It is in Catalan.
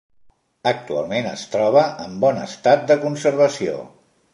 Actualment es troba en bon estat de conservació.